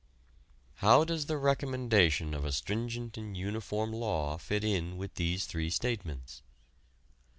How does the recommendation of a stringent and uniform law fit in with these three statements?